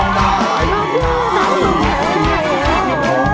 ได้ครับ